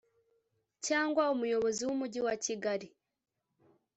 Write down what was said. cyangwa Umuyobozi w Umujyi wa Kigali